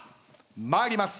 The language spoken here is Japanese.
参ります。